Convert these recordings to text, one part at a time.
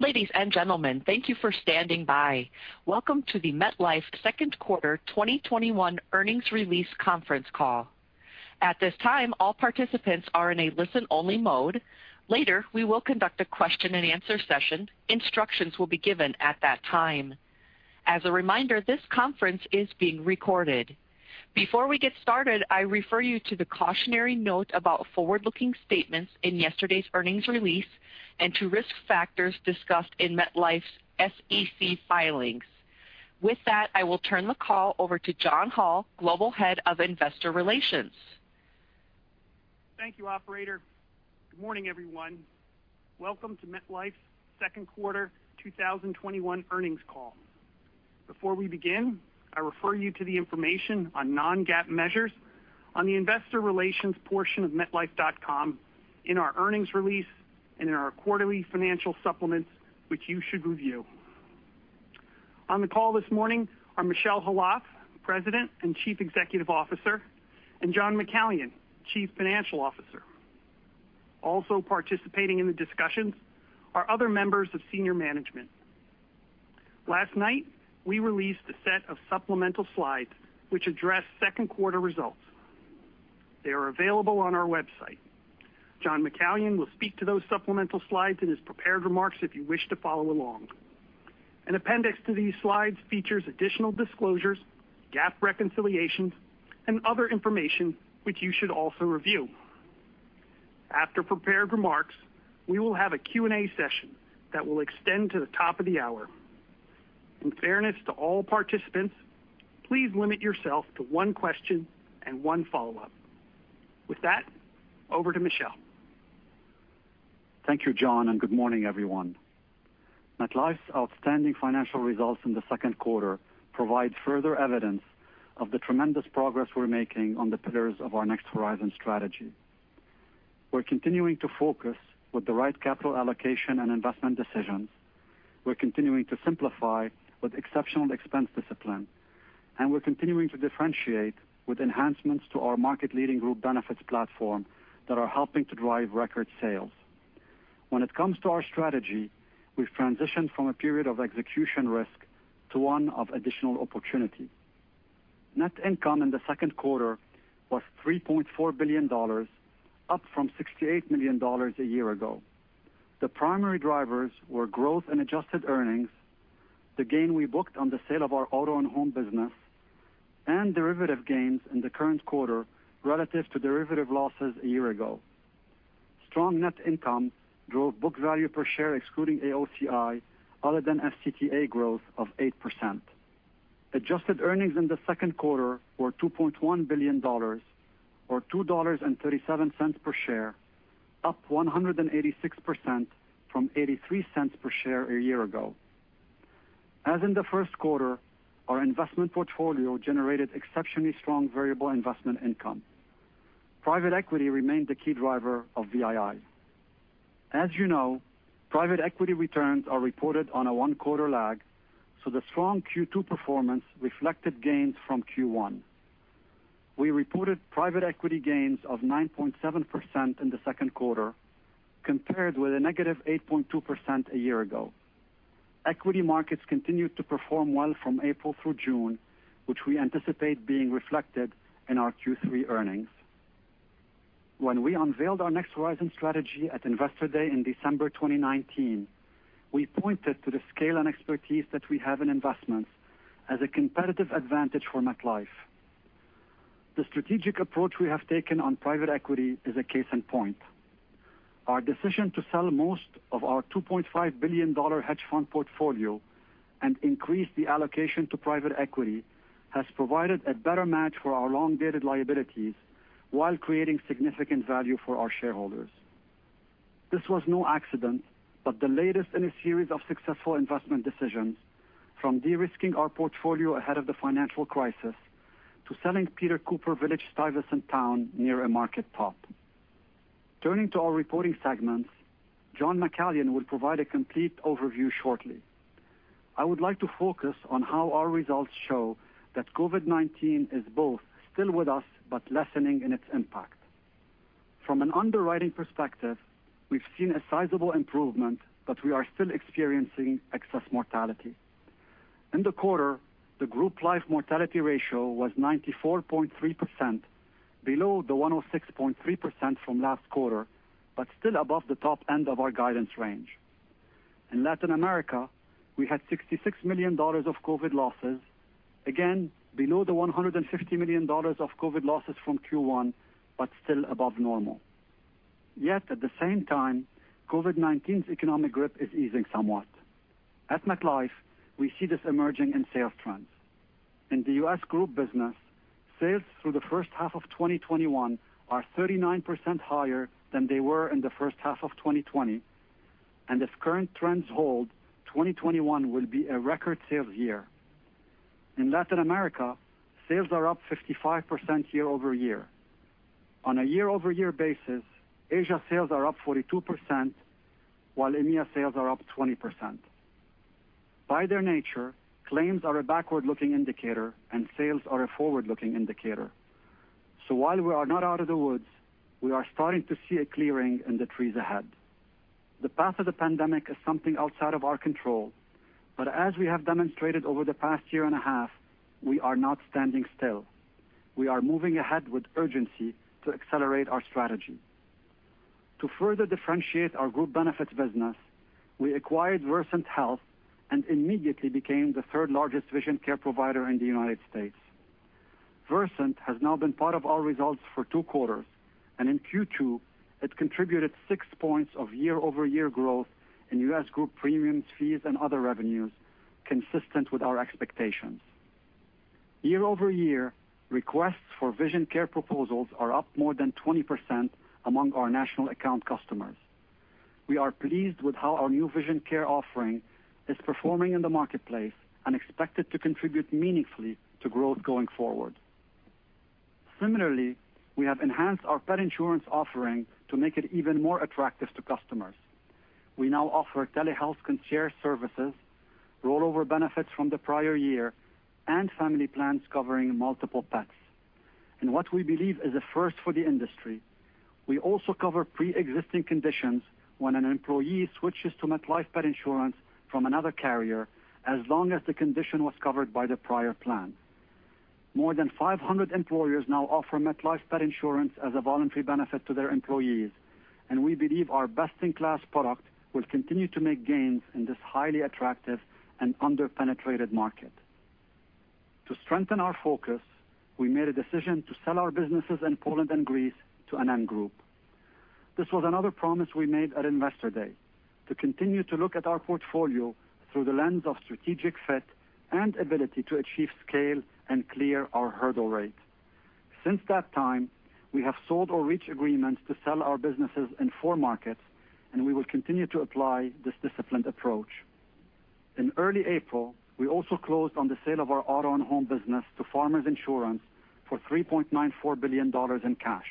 Ladies and gentlemen, thank you for standing by. Welcome to the MetLife Second Quarter 2021 Earnings Release Conference Call. At this time, all participants are in a listen-only mode. Later, we will conduct a question-and-answer session. Instructions will be given at that time. As a reminder, this conference is being recorded. Before we get started, I refer you to the cautionary note about forward-looking statements in yesterday's earnings release and to risk factors discussed in MetLife's SEC filings. With that, I will turn the call over to John Hall, Global Head of Investor Relations. Thank you, operator. Good morning, everyone. Welcome to MetLife's Second Quarter 2021 Earnings Call. Before we begin, I refer you to the information on non-GAAP measures on the investor relations portion of metlife.com, in our earnings release, and in our quarterly financial supplements, which you should review. On the call this morning are Michel Khalaf, President and Chief Executive Officer, and John McCallion, Chief Financial Officer. Also participating in the discussions are other members of senior management. Last night, we released a set of supplemental slides which address second quarter results. They are available on our website. John McCallion will speak to those supplemental slides in his prepared remarks if you wish to follow along. An appendix to these slides features additional disclosures, GAAP reconciliations, and other information which you should also review. After prepared remarks, we will have a Q&A session that will extend to the top of the hour. In fairness to all participants, please limit yourself to one question and one follow-up. With that, over to Michel. Thank you, John, and good morning, everyone. MetLife's outstanding financial results in the second quarter provide further evidence of the tremendous progress we're making on the pillars of our Next Horizon strategy. We're continuing to focus with the right capital allocation and investment decisions. We're continuing to simplify with exceptional expense discipline. We're continuing to differentiate with enhancements to our market-leading group benefits platform that are helping to drive record sales. When it comes to our strategy, we've transitioned from a period of execution risk to one of additional opportunity. Net income in the second quarter was $3.4 billion, up from $68 million a year ago. The primary drivers were growth in adjusted earnings, the gain we booked on the sale of our auto and home business, and derivative gains in the current quarter relative to derivative losses a year ago. Strong net income drove book value per share, excluding AOCI, other than FCTA growth of 8%. Adjusted earnings in the second quarter were $2.1 billion, or $2.37 per share, up 186% from $0.83 per share a year ago. As in the first quarter, our investment portfolio generated exceptionally strong variable investment income. Private equity remained the key driver of VII. As you know, private equity returns are reported on a one-quarter lag, so the strong Q2 performance reflected gains from Q1. We reported private equity gains of 9.7% in the second quarter, compared with a negative 8.2% a year ago. Equity markets continued to perform well from April through June, which we anticipate being reflected in our Q3 earnings. When we unveiled our Next Horizon strategy at Investor Day in December 2019, we pointed to the scale and expertise that we have in investments as a competitive advantage for MetLife. The strategic approach we have taken on private equity is a case in point. Our decision to sell most of our $2.5 billion hedge fund portfolio and increase the allocation to private equity has provided a better match for our long-dated liabilities while creating significant value for our shareholders. This was no accident, but the latest in a series of successful investment decisions, from de-risking our portfolio ahead of the financial crisis to selling Peter Cooper Village Stuyvesant Town near a market top. Turning to our reporting segments, John McCallion will provide a complete overview shortly. I would like to focus on how our results show that COVID-19 is both still with us but lessening in its impact. From an underwriting perspective, we've seen a sizable improvement, but we are still experiencing excess mortality. In the quarter, the group life mortality ratio was 94.3%, below the 106.3% from last quarter, but still above the top end of our guidance range. In Latin America, we had $66 million of COVID losses, again below the $150 million of COVID losses from Q1, but still above normal. Yet at the same time, COVID-19's economic grip is easing somewhat. At MetLife, we see this emerging in sales trends. In the U.S. group business, sales through the first half of 2021 are 39% higher than they were in the first half of 2020. If current trends hold, 2021 will be a record sales year. In Latin America, sales are up 55% year-over-year. On a year-over-year basis, Asia sales are up 42%, while EMEA sales are up 20%. By their nature, claims are a backward-looking indicator, and sales are a forward-looking indicator. While we are not out of the woods, we are starting to see a clearing in the trees ahead. The path of the pandemic is something outside of our control, but as we have demonstrated over the past year and a half, we are not standing still. We are moving ahead with urgency to accelerate our strategy. To further differentiate our group benefits business, we acquired Versant Health and immediately became the third-largest vision care provider in the U.S. Versant has now been part of our results for two quarters, and in Q2, it contributed 6 points of year-over-year growth in U.S. group premiums, fees, and other revenues consistent with our expectations. Year-over-year, requests for vision care proposals are up more than 20% among our national account customers. We are pleased with how our new vision care offering is performing in the marketplace and expect it to contribute meaningfully to growth going forward. Similarly, we have enhanced our pet insurance offering to make it even more attractive to customers. We now offer telehealth concierge services, rollover benefits from the prior year, and family plans covering multiple pets. In what we believe is a first for the industry, we also cover pre-existing conditions when an employee switches to MetLife pet insurance from another carrier, as long as the condition was covered by the prior plan. More than 500 employers now offer MetLife pet insurance as a voluntary benefit to their employees, and we believe our best-in-class product will continue to make gains in this highly attractive and under-penetrated market. To strengthen our focus, we made a decision to sell our businesses in Poland and Greece to NN Group. This was another promise we made at Investor Day, to continue to look at our portfolio through the lens of strategic fit and ability to achieve scale and clear our hurdle rates. Since that time, we have sold or reached agreements to sell our businesses in four markets, and we will continue to apply this disciplined approach. In early April, we also closed on the sale of our auto and home business to Farmers Insurance for $3.94 billion in cash.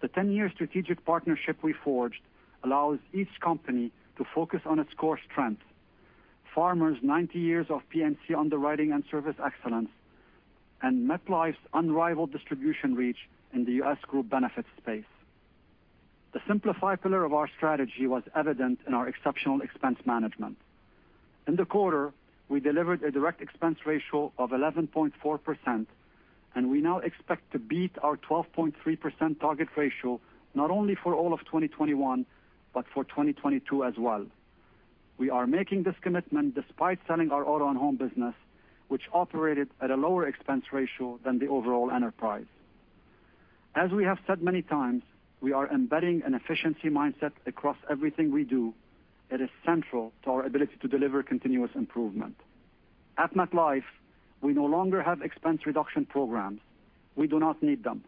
The 10-year strategic partnership we forged allows each company to focus on its core strengths. Farmers' 90 years of P&C underwriting and service excellence, and MetLife's unrivaled distribution reach in the U.S. group benefits space. The Simplify pillar of our strategy was evident in our exceptional expense management. In the quarter, we delivered a direct expense ratio of 11.4%, and we now expect to beat our 12.3% target ratio, not only for all of 2021, but for 2022 as well. We are making this commitment despite selling our auto and home business, which operated at a lower expense ratio than the overall enterprise. As we have said many times, we are embedding an efficiency mindset across everything we do. It is central to our ability to deliver continuous improvement. At MetLife, we no longer have expense reduction programs. We do not need them.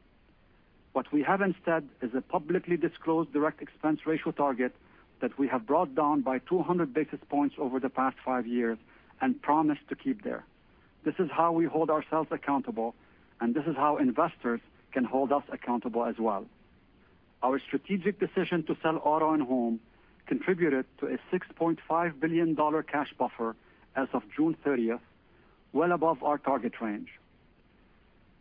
What we have instead is a publicly disclosed direct expense ratio target that we have brought down by 200 basis points over the past five years and promise to keep there. This is how we hold ourselves accountable, and this is how investors can hold us accountable as well. Our strategic decision to sell auto and home contributed to a $6.5 billion cash buffer as of June 30th, well above our target range.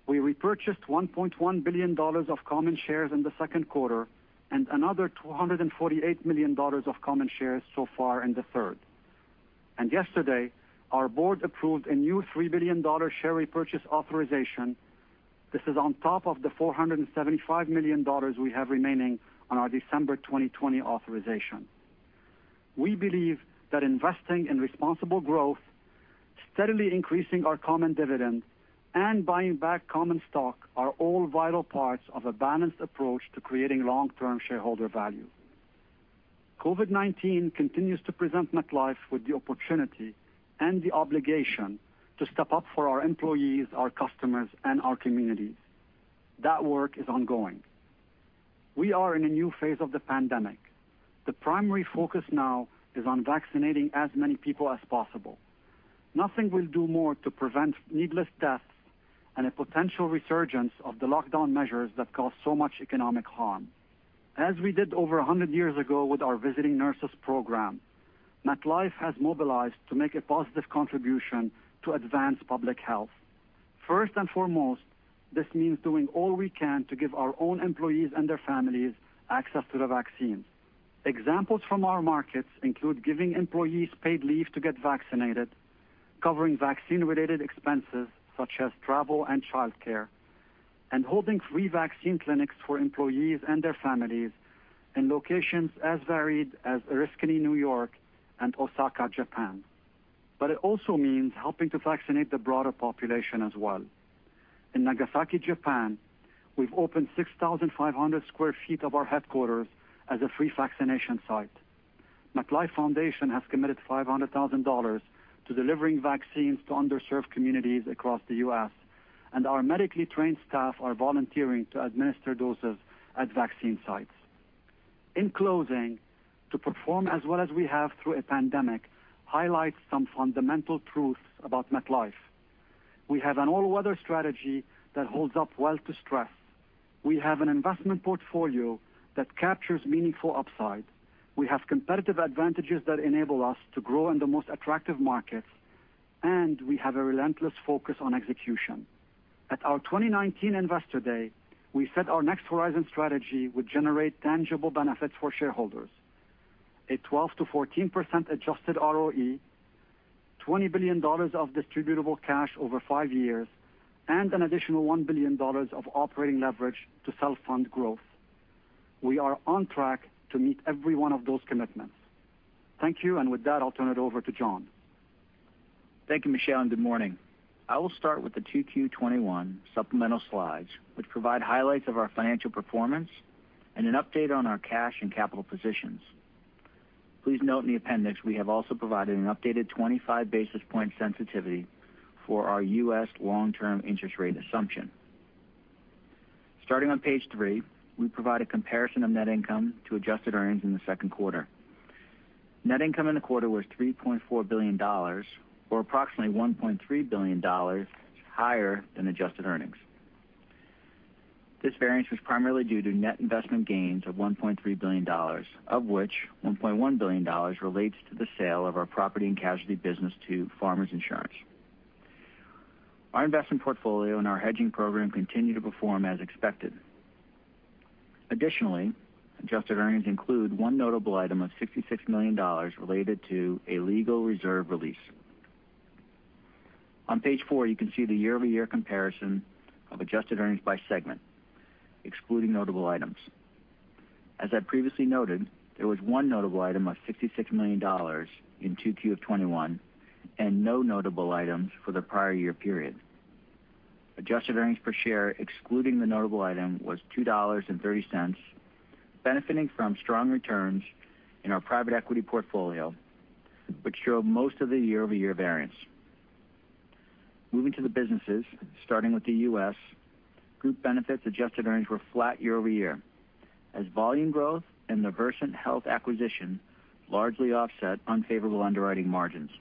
We repurchased $1.1 billion of common shares in the second quarter and another $248 million of common shares so far in the third. Yesterday, our board approved a new $3 billion share repurchase authorization. This is on top of the $475 million we have remaining on our December 2020 authorization. We believe that investing in responsible growth, steadily increasing our common dividend, and buying back common stock are all vital parts of a balanced approach to creating long-term shareholder value. COVID-19 continues to present MetLife with the opportunity and the obligation to step up for our employees, our customers, and our communities. That work is ongoing. We are in a new phase of the pandemic. The primary focus now is on vaccinating as many people as possible. Nothing will do more to prevent needless deaths and a potential resurgence of the lockdown measures that caused so much economic harm. As we did over 100 years ago with our Visiting Nurse Service, MetLife has mobilized to make a positive contribution to advance public health. First and foremost, this means doing all we can to give our own employees and their families access to the vaccine. Examples from our markets include giving employees paid leave to get vaccinated, covering vaccine-related expenses such as travel and childcare, and holding free vaccine clinics for employees and their families in locations as varied as Oriskany, New York, and Osaka, Japan. It also means helping to vaccinate the broader population as well. In Nagasaki, Japan, we've opened 6,500 sq ft of our headquarters as a free vaccination site. MetLife Foundation has committed $500,000 to delivering vaccines to underserved communities across the U.S., and our medically trained staff are volunteering to administer doses at vaccine sites. In closing, to perform as well as we have through a pandemic highlights some fundamental truths about MetLife. We have an all-weather strategy that holds up well to stress. We have an investment portfolio that captures meaningful upside. We have competitive advantages that enable us to grow in the most attractive markets, and we have a relentless focus on execution. At our 2019 Investor Day, we said our Next Horizon strategy would generate tangible benefits for shareholders. A 12%-14% adjusted ROE, $20 billion of distributable cash over five years, and an additional $1 billion of operating leverage to self-fund growth. We are on track to meet every one of those commitments. Thank you, and with that, I'll turn it over to John. Thank you, Michel Khalaf, and good morning. I will start with the Q2 2021 supplemental slides, which provide highlights of our financial performance and an update on our cash and capital positions. Please note in the appendix, we have also provided an updated 25 basis point sensitivity for our U.S. long-term interest rate assumption. Starting on page three, we provide a comparison of net income to adjusted earnings in the second quarter. Net income in the quarter was $3.4 billion, or approximately $1.3 billion higher than adjusted earnings. This variance was primarily due to net investment gains of $1.3 billion, of which $1.1 billion relates to the sale of our property and casualty business to Farmers Insurance. Our investment portfolio and our hedging program continue to perform as expected. Additionally, adjusted earnings include one notable item of $66 million related to a legal reserve release. On page four, you can see the year-over-year comparison of adjusted earnings by segment, excluding notable items. As I previously noted, there was one notable item of $66 million in Q2 2021, and no notable items for the prior year period. Adjusted earnings per share, excluding the notable item, was $2.30, benefiting from strong returns in our private equity portfolio, which drove most of the year-over-year variance. Moving to the businesses, starting with the U.S., Group Benefits adjusted earnings were flat year-over-year, as volume growth and the Versant Health acquisition largely offset unfavorable underwriting margins.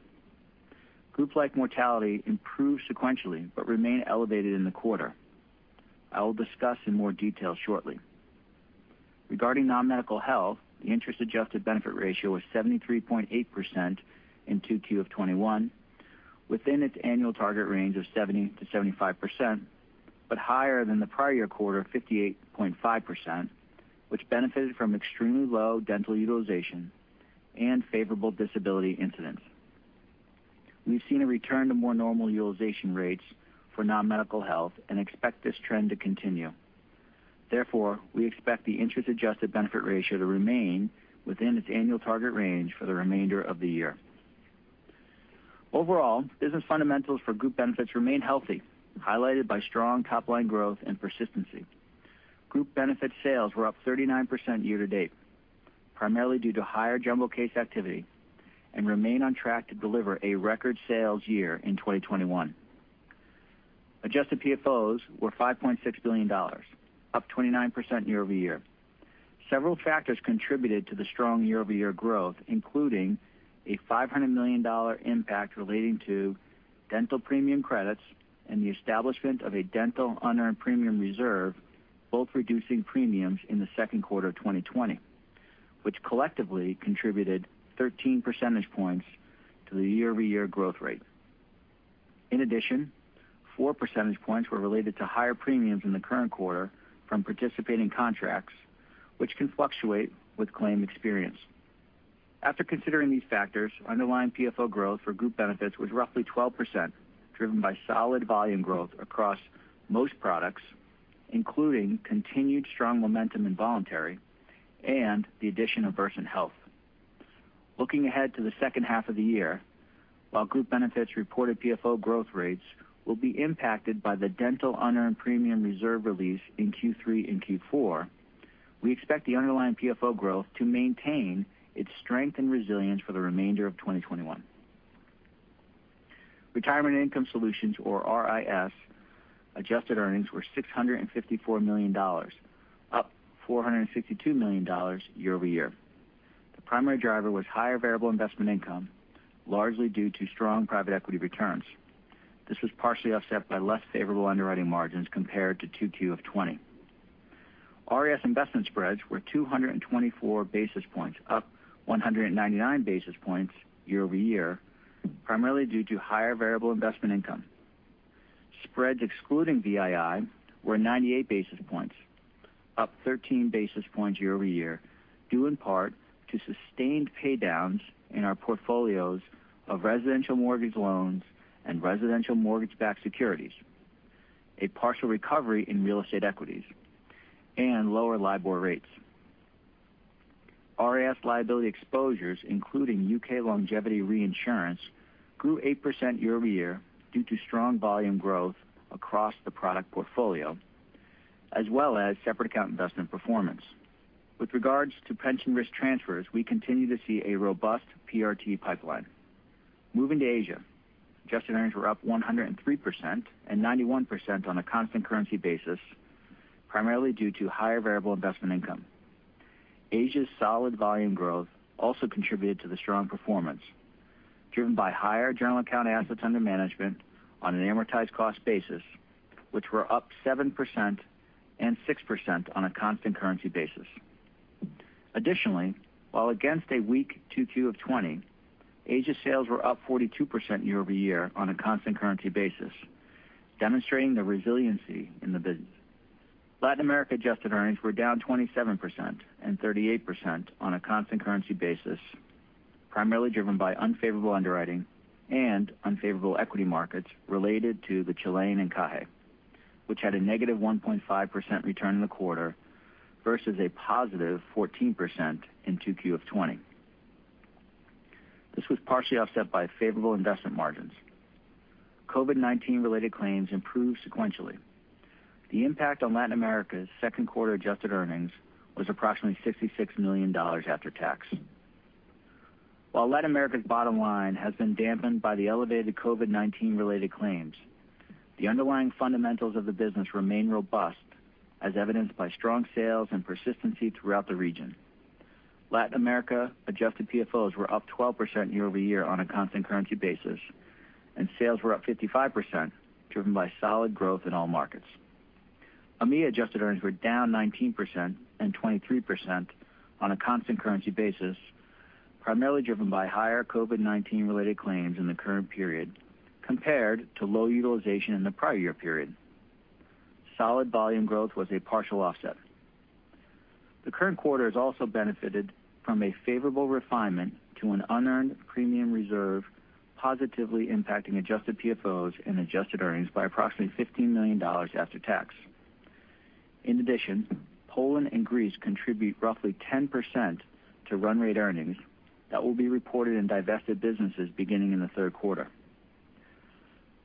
Group Life mortality improved sequentially but remained elevated in the quarter. I will discuss in more detail shortly. Regarding non-medical health, the interest-adjusted benefit ratio was 73.8% in Q2 2021, within its annual target range of 70%-75%, but higher than the prior year quarter of 58.5%, which benefited from extremely low dental utilization and favorable disability incidents. We've seen a return to more normal utilization rates for non-medical health and expect this trend to continue. We expect the interest-adjusted benefit ratio to remain within its annual target range for the remainder of the year. Overall, business fundamentals for group benefits remain healthy, highlighted by strong top-line growth and persistency. Group benefit sales were up 39% year to date, primarily due to higher jumbo case activity, and remain on track to deliver a record sales year in 2021. Adjusted PFOs were $5.6 billion, up 29% year-over-year. Several factors contributed to the strong year-over-year growth, including a $500 million impact relating to dental premium credits and the establishment of a dental unearned premium reserve, both reducing premiums in the second quarter of 2020, which collectively contributed 13 percentage points to the year-over-year growth rate. In addition, four percentage points were related to higher premiums in the current quarter from participating contracts, which can fluctuate with claim experience. After considering these factors, underlying PFO growth for group benefits was roughly 12%, driven by solid volume growth across most products, including continued strong momentum in voluntary, and the addition of Versant Health. Looking ahead to the second half of the year, while group benefits reported PFO growth rates will be impacted by the dental unearned premium reserve release in Q3 and Q4, we expect the underlying PFO growth to maintain its strength and resilience for the remainder of 2021. Retirement and Income Solutions, or RIS. Adjusted earnings were $654 million, up $462 million year-over-year. The primary driver was higher variable investment income, largely due to strong private equity returns. This was partially offset by less favorable underwriting margins compared to Q2 2020. RIS investment spreads were 224 basis points, up 199 basis points year-over-year, primarily due to higher variable investment income. Spreads excluding VII were 98 basis points, up 13 basis points year-over-year, due in part to sustained paydowns in our portfolios of residential mortgage loans and residential mortgage-backed securities, a partial recovery in real estate equities, and lower LIBOR rates. RIS liability exposures, including U.K. longevity reinsurance, grew 8% year-over-year due to strong volume growth across the product portfolio, as well as separate account investment performance. With regards to pension risk transfers, we continue to see a robust PRT pipeline. Moving to Asia. Adjusted earnings were up 103% and 91% on a constant currency basis, primarily due to higher variable investment income. Asia's solid volume growth also contributed to the strong performance, driven by higher general account assets under management on an amortized cost basis, which were up 7% and 6% on a constant currency basis. Additionally, while against a weak Q2 2020, Asia sales were up 42% year-over-year on a constant currency basis, demonstrating the resiliency in the business. Latin America adjusted earnings were down 27% and 38% on a constant currency basis, primarily driven by unfavorable underwriting and unfavorable equity markets related to the Chilean encaje, which had a negative 1.5% return in the quarter versus a positive 14% in Q2 2020. This was partially offset by favorable investment margins. COVID-19 related claims improved sequentially. The impact on Latin America's second quarter adjusted earnings was approximately $66 million after tax. While Latin America's bottom line has been dampened by the elevated COVID-19 related claims, the underlying fundamentals of the business remain robust, as evidenced by strong sales and persistency throughout the region. Latin America adjusted PFOs were up 12% year-over-year on a constant currency basis, and sales were up 55%, driven by solid growth in all markets. EMEA adjusted earnings were down 19% and 23% on a constant currency basis, primarily driven by higher COVID-19 related claims in the current period compared to low utilization in the prior year period. Solid volume growth was a partial offset. The current quarter has also benefited from a favorable refinement to an unearned premium reserve, positively impacting adjusted PFOs and adjusted earnings by approximately $15 million after tax. In addition, Poland and Greece contribute roughly 10% to run rate earnings that will be reported in divested businesses beginning in the third quarter.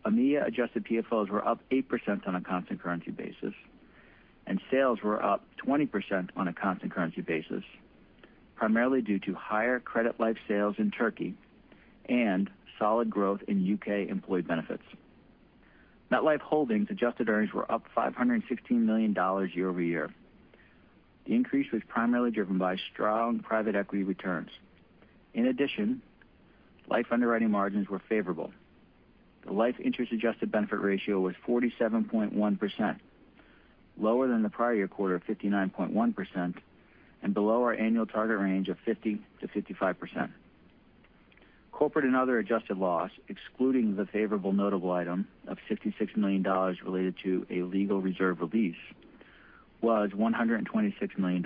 EMEA Adjusted PFOs were up 8% on a constant currency basis, and sales were up 20% on a constant currency basis, primarily due to higher credit life sales in Turkey and solid growth in U.K. employee benefits. MetLife Holdings adjusted earnings were up $516 million year-over-year. The increase was primarily driven by strong private equity returns. In addition, life underwriting margins were favorable. The life interest-adjusted benefit ratio was 47.1%, lower than the prior year quarter of 59.1% and below our annual target range of 50%-55%. Corporate and other adjusted loss, excluding the favorable notable item of $56 million related to a legal reserve release, was $126 million.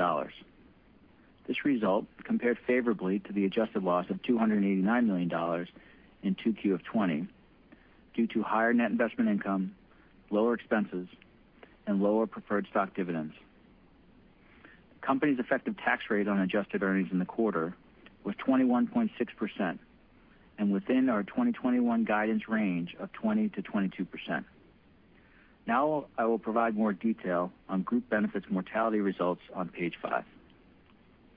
This result compared favorably to the adjusted loss of $289 million in Q2 2020 due to higher net investment income, lower expenses, and lower preferred stock dividends. The company's effective tax rate on adjusted earnings in the quarter was 21.6% and within our 2021 guidance range of 20%-22%. Now I will provide more detail on Group Benefits mortality results on page five.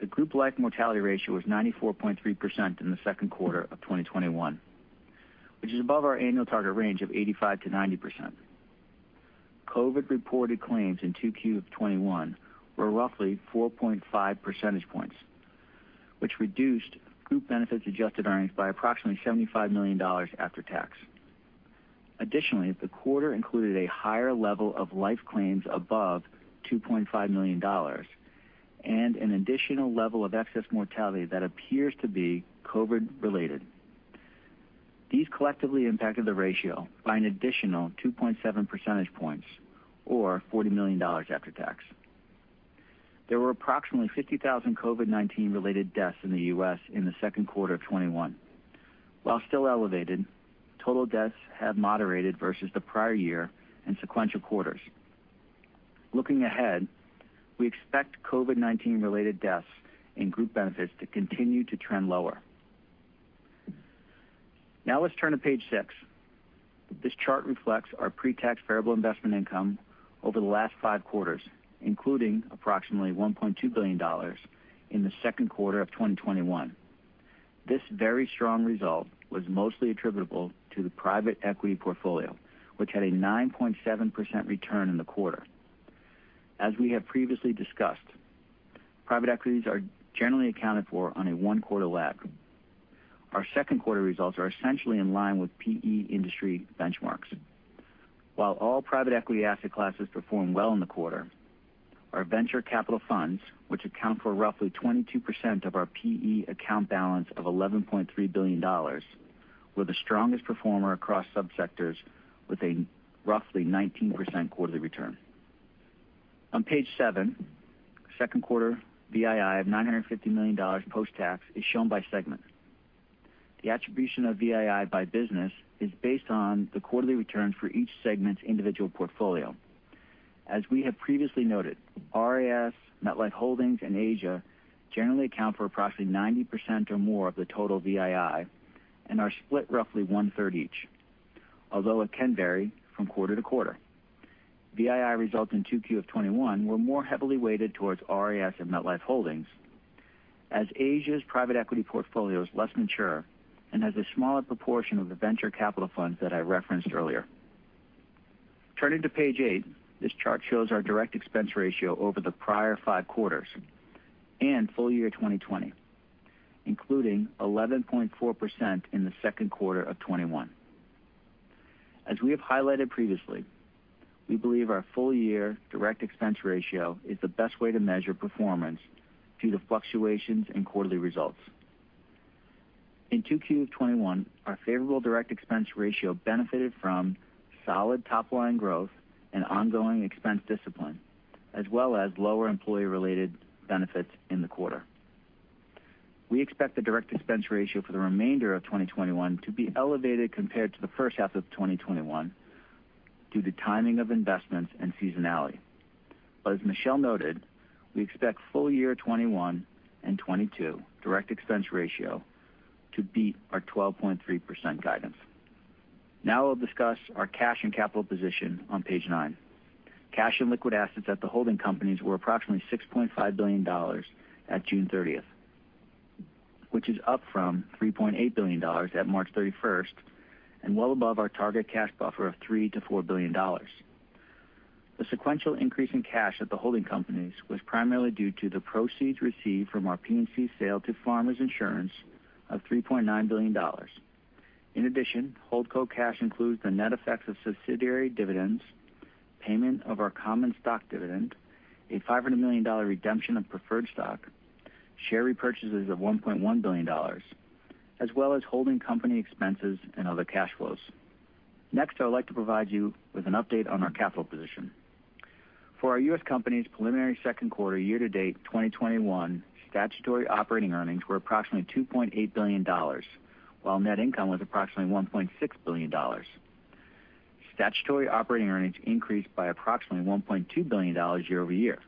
The Group Life mortality ratio was 94.3% in the second quarter of 2021, which is above our annual target range of 85%-90%. COVID reported claims in Q2 2021 were roughly 4.5 percentage points, which reduced Group Benefits adjusted earnings by approximately $75 million after tax. The quarter included a higher level of life claims above $2.5 million and an additional level of excess mortality that appears to be COVID related. These collectively impacted the ratio by an additional 2.7 percentage points or $40 million after tax. There were approximately 50,000 COVID-19 related deaths in the U.S. in the second quarter of 2021. While still elevated, total deaths have moderated versus the prior year and sequential quarters. Looking ahead, we expect COVID-19 related deaths in Group Benefits to continue to trend lower. Let's turn to page six. This chart reflects our pre-tax variable investment income over the last five quarters, including approximately $1.2 billion in the second quarter of 2021. This very strong result was mostly attributable to the private equity portfolio, which had a 9.7% return in the quarter. As we have previously discussed, private equities are generally accounted for on a one-quarter lag. Our second quarter results are essentially in line with PE industry benchmarks. While all private equity asset classes performed well in the quarter, our venture capital funds, which account for roughly 22% of our PE account balance of $11.3 billion, were the strongest performer across subsectors with a roughly 19% quarterly return. On page seven, second quarter VII of $950 million post-tax is shown by segment. The attribution of VII by business is based on the quarterly returns for each segment's individual portfolio. As we have previously noted, RIS, MetLife Holdings, and Asia generally account for approximately 90% or more of the total VII and are split roughly one-third each, although it can vary from quarter to quarter. VII results in Q2 2021 were more heavily weighted towards RIS and MetLife Holdings, as Asia's private equity portfolio is less mature and has a smaller proportion of the venture capital funds that I referenced earlier. Turning to page eight, this chart shows our direct expense ratio over the prior five quarters and full year 2020, including 11.4% in the second quarter of 2021. As we have highlighted previously, we believe our full-year direct expense ratio is the best way to measure performance due to fluctuations in quarterly results. In 2Q 2021, our favorable direct expense ratio benefited from solid top-line growth and ongoing expense discipline, as well as lower employee-related benefits in the quarter. We expect the direct expense ratio for the remainder of 2021 to be elevated compared to the first half of 2021 due to timing of investments and seasonality. As Michel noted, we expect full year 2021 and 2022 direct expense ratio to beat our 12.3% guidance. Now I'll discuss our cash and capital position on page nine. Cash and liquid assets at the holding companies were approximately $6.5 billion at June 30th, which is up from $3.8 billion at March 31st, and well above our target cash buffer of $3 billion-$4 billion. The sequential increase in cash at the holding companies was primarily due to the proceeds received from our P&C sale to Farmers Insurance of $3.9 billion. In addition, HoldCo cash includes the net effects of subsidiary dividends, payment of our common stock dividend, a $500 million redemption of preferred stock, share repurchases of $1.1 billion, as well as holding company expenses and other cash flows. Next, I would like to provide you with an update on our capital position. For our U.S. company's preliminary second quarter year-to-date 2021 statutory operating earnings were approximately $2.8 billion, while net income was approximately $1.6 billion. Statutory operating earnings increased by approximately $1.2 billion year-over-year,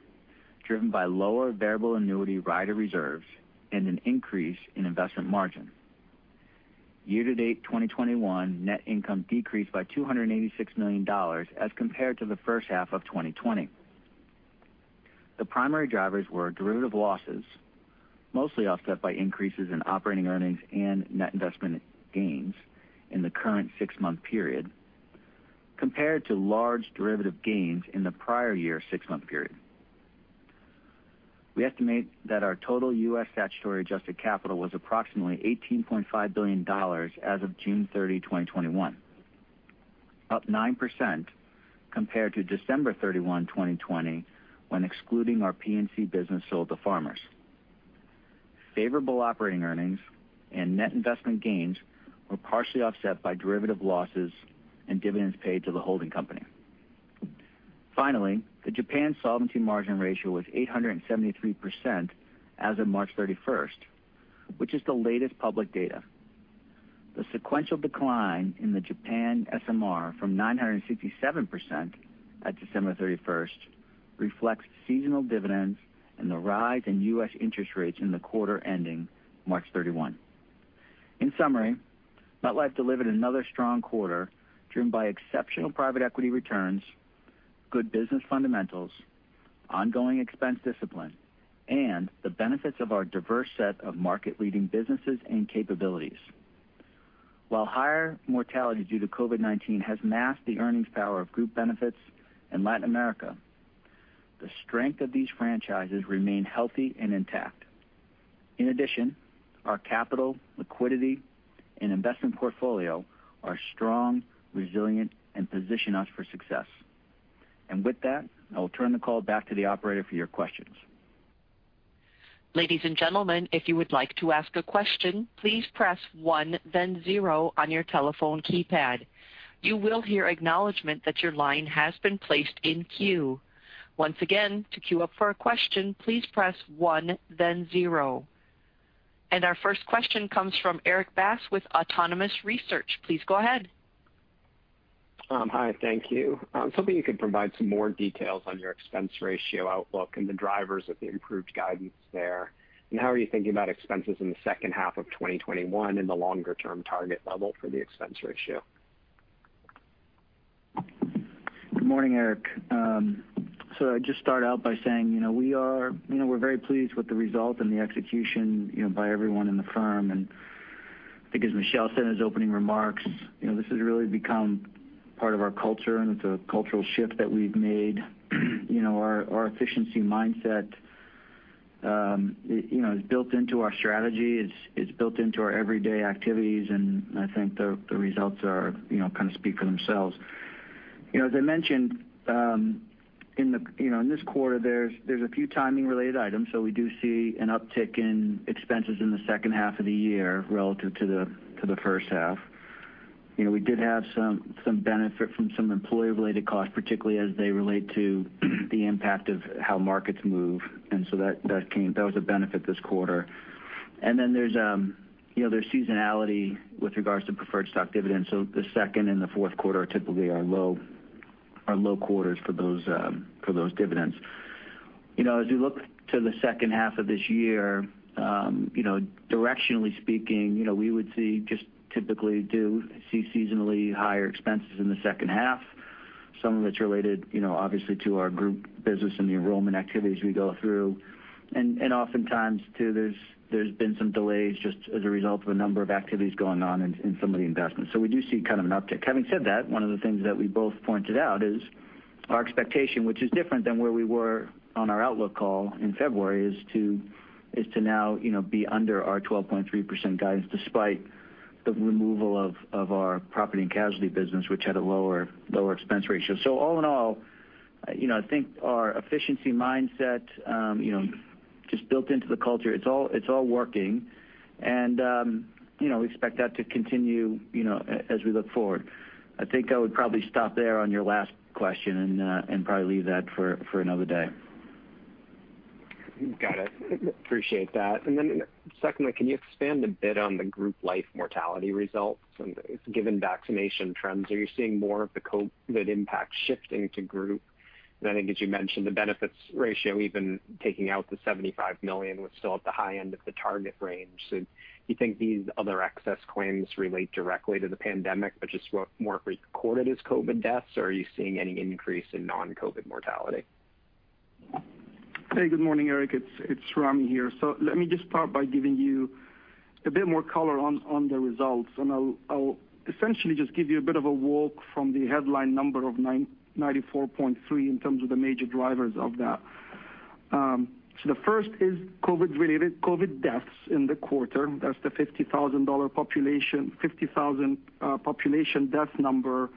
driven by lower variable annuity rider reserves and an increase in investment margin. Year-to-date 2021 net income decreased by $286 million as compared to the first half of 2020. The primary drivers were derivative losses, mostly offset by increases in operating earnings and net investment gains in the current six-month period, compared to large derivative gains in the prior year six-month period. We estimate that our total U.S. statutory adjusted capital was approximately $18.5 billion as of June 30, 2021, up 9% compared to December 31, 2020, when excluding our P&C business sold to Farmers. Favorable operating earnings and net investment gains were partially offset by derivative losses and dividends paid to the holding company. The Japan solvency margin ratio was 873% as of March 31, which is the latest public data. The sequential decline in the Japan SMR from 967% at December 31 reflects seasonal dividends and the rise in U.S. interest rates in the quarter ending March 31. MetLife delivered another strong quarter driven by exceptional private equity returns, good business fundamentals, ongoing expense discipline, and the benefits of our diverse set of market-leading businesses and capabilities. While higher mortality due to COVID-19 has masked the earnings power of Group Benefits and Latin America, the strength of these franchises remain healthy and intact. Our capital, liquidity, and investment portfolio are strong, resilient, and position us for success. With that, I will turn the call back to the operator for your questions. Ladies and gentlemen, if you would like to ask a question, please press one, then zero on your telephone keypad. You will hear acknowledgment that your line has been placed in queue. Once again, to queue up for a question, please press one, then zero. Our first question comes from Erik Bass with Autonomous Research. Please go ahead. Hi, thank you. I was hoping you could provide some more details on your expense ratio outlook and the drivers of the improved guidance there. How are you thinking about expenses in the second half of 2021 and the longer-term target level for the expense ratio? Good morning, Erik. I'd just start out by saying, we're very pleased with the result and the execution by everyone in the firm. I think as Michel said in his opening remarks, this has really become part of our culture, and it's a cultural shift that we've made. Our efficiency mindset is built into our strategy. It's built into our everyday activities, and I think the results kind of speak for themselves. As I mentioned, in this quarter, there's a few timing-related items. We do see an uptick in expenses in the second half of the year relative to the first half. We did have some benefit from some employee-related costs, particularly as they relate to the impact of how markets move, and so that was a benefit this quarter. Then there's seasonality with regards to preferred stock dividends. The second and the fourth quarter typically are low quarters for those dividends. As we look to the second half of this year, directionally speaking, we would see just typically do see seasonally higher expenses in the second half. Some of it's related, obviously to our group business and the enrollment activities we go through. Oftentimes too, there's been some delays just as a result of a number of activities going on in some of the investments. We do see kind of an uptick. Having said that, one of the things that we both pointed out is our expectation, which is different than where we were on our outlook call in February, is to now be under our 12.3% guidance despite the removal of our property and casualty business, which had a lower expense ratio. All in all, I think our efficiency mindset, just built into the culture, it's all working. We expect that to continue as we look forward. I think I would probably stop there on your last question and probably leave that for another day. Got it. Appreciate that. Then secondly, can you expand a bit on the Group Life mortality results? Given vaccination trends, are you seeing more of the COVID impact shifting to group? I think as you mentioned, the benefits ratio, even taking out the $75 million, was still at the high end of the target range. Do you think these other excess claims relate directly to the pandemic but just were more recorded as COVID deaths or are you seeing any increase in non-COVID mortality? Hey, good morning, Erik. It's Ramy here. Let me just start by giving you a bit more color on the results, and I'll essentially just give you a bit of a walk from the headline number of $94.3 in terms of the major drivers of that. The first is COVID-related COVID deaths in the quarter. That's the 50,000 population death number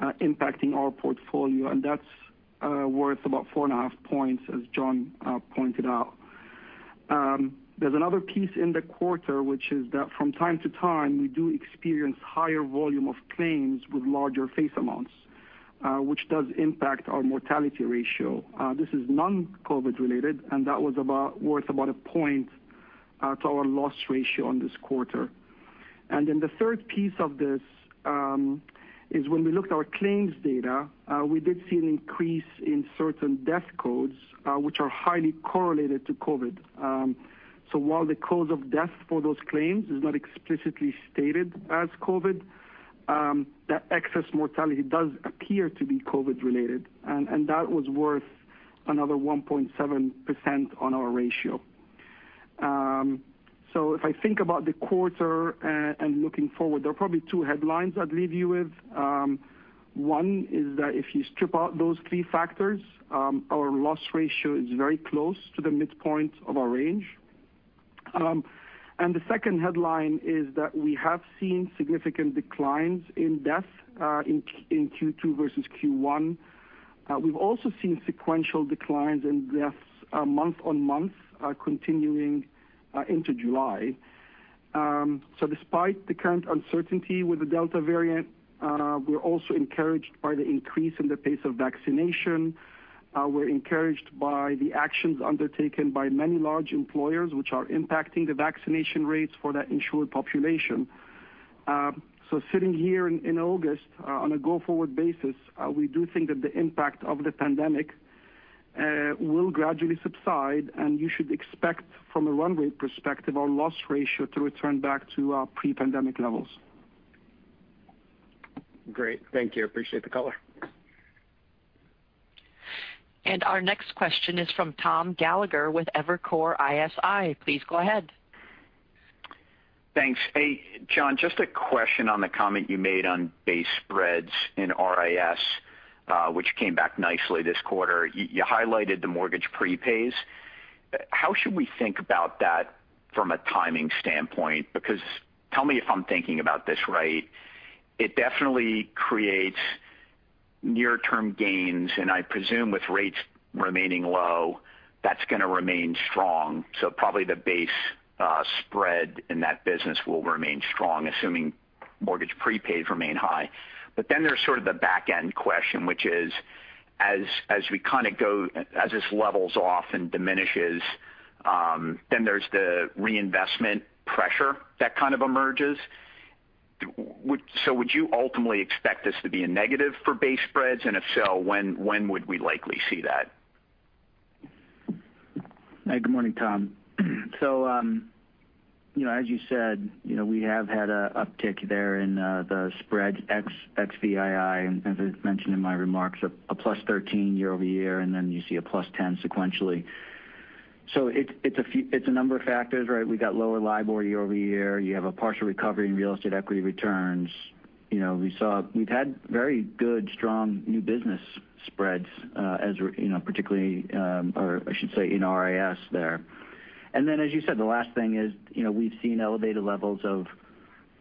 impacting our portfolio, and that's worth about four and a half points as John pointed out. There's another piece in the quarter, which is that from time to time, we do experience higher volume of claims with larger face amounts, which does impact our mortality ratio. This is non-COVID related, and that was worth about one point to our loss ratio on this quarter. The third piece of this, is when we looked at our claims data, we did see an increase in certain death codes, which are highly correlated to COVID. While the cause of death for those claims is not explicitly stated as COVID, that excess mortality does appear to be COVID related, and that was worth another 1.7% on our ratio. If I think about the quarter and looking forward, there are probably two headlines I'd leave you with. 1 is that if you strip out those three factors, our loss ratio is very close to the midpoint of our range. The second headline is that we have seen significant declines in death in Q2 versus Q1. We've also seen sequential declines in deaths month on month, continuing into July. Despite the current uncertainty with the Delta variant, we're also encouraged by the increase in the pace of vaccination. We're encouraged by the actions undertaken by many large employers, which are impacting the vaccination rates for that insured population. Sitting here in August on a go-forward basis, we do think that the impact of the pandemic will gradually subside, and you should expect from a runway perspective, our loss ratio to return back to our pre-pandemic levels. Great. Thank you. Appreciate the color. Our next question is from Tom Gallagher with Evercore ISI. Please go ahead. Thanks. Hey, John, just a question on the comment you made on base spreads in RIS, which came back nicely this quarter. You highlighted the mortgage prepays. How should we think about that from a timing standpoint? Tell me if I'm thinking about this right. It definitely creates near-term gains, and I presume with rates remaining low, that's going to remain strong. Probably the base spread in that business will remain strong, assuming mortgage prepay remain high. There's sort of the back end question, which is as this levels off and diminishes, then there's the reinvestment pressure that kind of emerges. Would you ultimately expect this to be a negative for base spreads? If so, when would we likely see that? Hey, good morning, Tom. As you said, we have had a uptick there in the spreads ex VII, as I mentioned in my remarks, a +13 year-over-year, and then you see a +10 sequentially. It's a number of factors, right? We got lower LIBOR year-over-year. You have a partial recovery in real estate equity returns. We've had very good, strong new business spreads, particularly or I should say in RIS there. As you said, the last thing is we've seen elevated levels of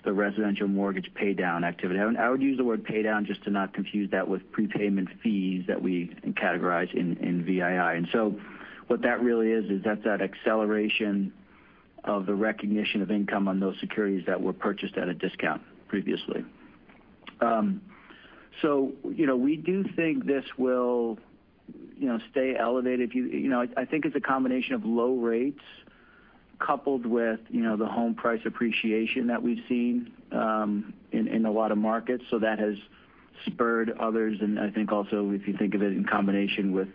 the residential mortgage pay down activity. I would use the word pay down just to not confuse that with prepayment fees that we categorize in VII. What that really is that's that acceleration of the recognition of income on those securities that were purchased at a discount previously. We do think this will stay elevated. I think it's a combination of low rates coupled with the home price appreciation that we've seen in a lot of markets. That has spurred others, and I think also if you think of it in combination with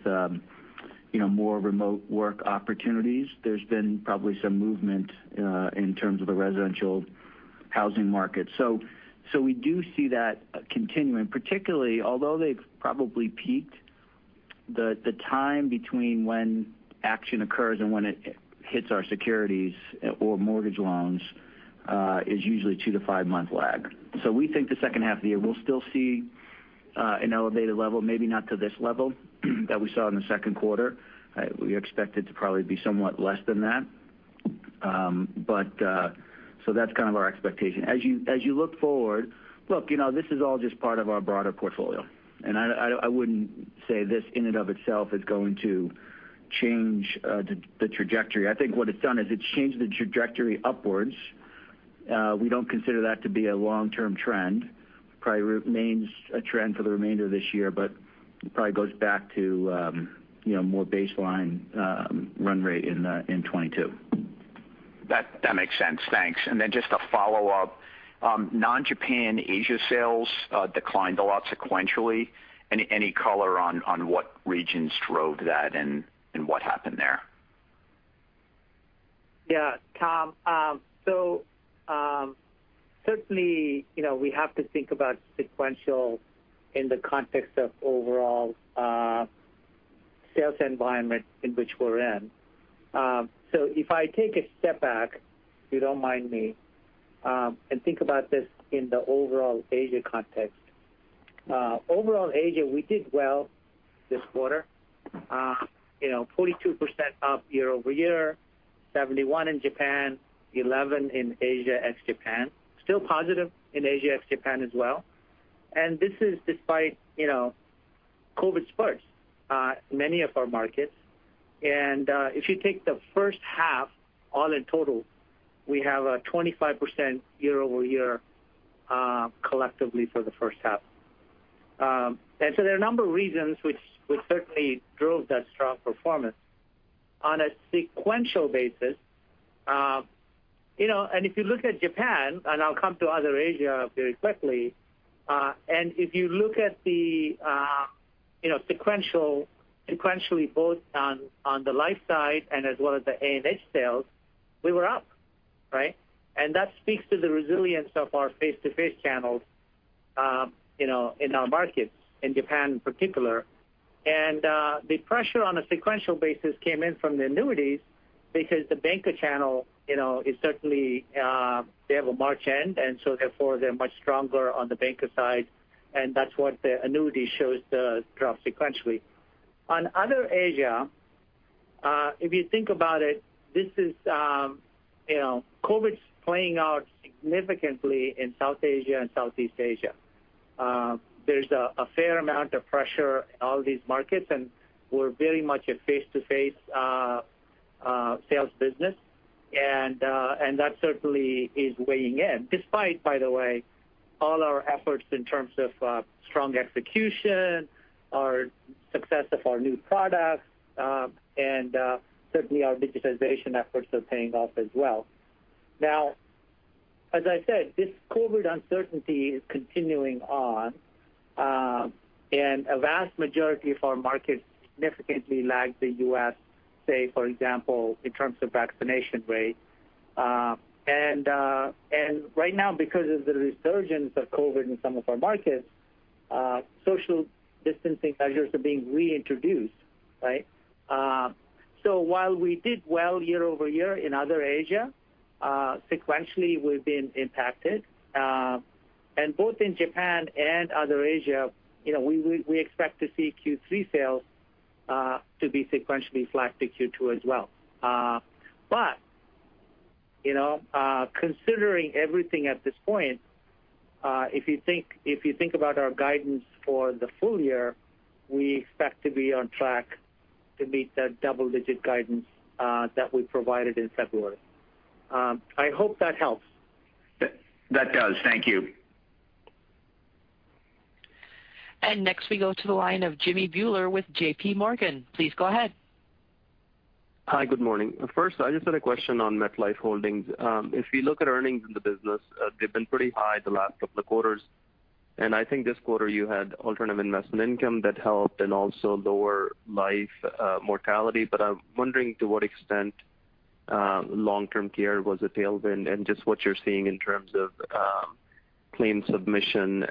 more remote work opportunities. There's been probably some movement in terms of the residential housing market. We do see that continuing, particularly although they've probably peaked, the time between when action occurs and when it hits our securities or mortgage loans is usually two to five-month lag. We think the second half of the year, we'll still see an elevated level, maybe not to this level that we saw in the second quarter. We expect it to probably be somewhat less than that. That's kind of our expectation. As you look forward, look, this is all just part of our broader portfolio, and I wouldn't say this in and of itself is going to change the trajectory. I think what it's done is it's changed the trajectory upwards. We don't consider that to be a long-term trend. Probably remains a trend for the remainder of this year, but it probably goes back to more baseline run rate in 2022. That makes sense. Thanks. Just a follow-up. Non-Japan Asia sales declined a lot sequentially. Any color on what regions drove that and what happened there? Yeah, Tom. Certainly, we have to think about sequential in the context of overall sales environment in which we're in. If I take a step back, if you don't mind me, and think about this in the overall Asia context. Overall Asia, we did well this quarter. 42% up year-over-year, 71% in Japan, 11% in Asia x Japan. Still positive in Asia x Japan as well. This is despite COVID spurs many of our markets. If you take the first half, all in total, we have a 25% year-over-year collectively for the first half. There are a number of reasons which certainly drove that strong performance. On a sequential basis, and if you look at Japan, and I'll come to other Asia very quickly, and if you look at sequentially both on the life side and as well as the A&H sales, we were up. Right? That speaks to the resilience of our face-to-face channels in our markets, in Japan in particular. The pressure on a sequential basis came in from the annuities because the banker channel, certainly they have a March end, and so therefore they're much stronger on the banker side, and that's what the annuity shows the drop sequentially. On other Asia, if you think about it, COVID is playing out significantly in South Asia and Southeast Asia. There's a fair amount of pressure in all these markets, and we're very much a face-to-face sales business, and that certainly is weighing in despite, by the way, all our efforts in terms of strong execution, our success of our new products, and certainly our digitization efforts are paying off as well. Now, as I said, this COVID uncertainty is continuing on, and a vast majority of our markets significantly lag the U.S., say, for example, in terms of vaccination rate. Right now, because of the resurgence of COVID in some of our markets, social distancing measures are being reintroduced. Right? While we did well year-over-year in other Asia, sequentially we've been impacted. Both in Japan and other Asia, we expect to see Q3 sales to be sequentially flat to Q2 as well. Considering everything at this point, if you think about our guidance for the full year, we expect to be on track to meet the double-digit guidance that we provided in February. I hope that helps. That does. Thank you. Next we go to the line of Jimmy Bhullar with J.P. Morgan. Please go ahead. Hi. Good morning. First, I just had a question on MetLife Holdings. If you look at earnings in the business, they've been pretty high the last couple of quarters, and I think this quarter you had alternative investment income that helped and also lower life mortality. I'm wondering to what extent long-term care was a tailwind and just what you're seeing in terms of claim submission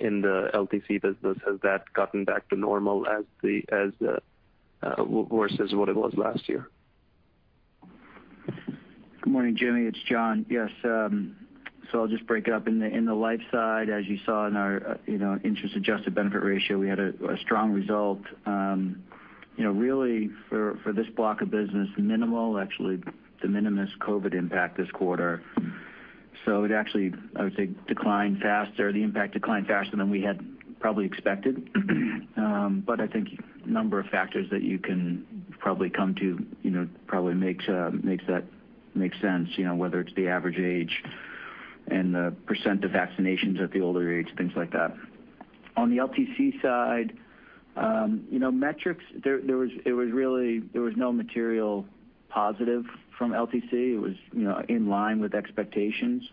in the LTC business. Has that gotten back to normal versus what it was last year? Good morning, Jimmy. It's John. Yes. I'll just break it up. In the life side, as you saw in our interest-adjusted benefit ratio, we had a strong result. Really for this block of business, minimal, actually de minimis COVID impact this quarter. It actually, I would say declined faster, the impact declined faster than we had probably expected. I think a number of factors that you can probably come to probably makes sense, whether it's the average age and the percent of vaccinations at the older age, things like that. On the LTC side, there was no material positive from LTC. It was in line with expectations.